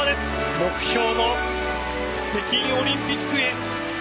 目標の北京オリンピックへ。